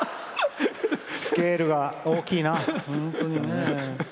スケールが大きいな。